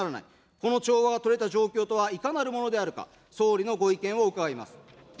この調和のとれた状況とはいかなるものであるか、総理のご意見を伺います。